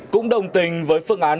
cũng đồng tình với phương án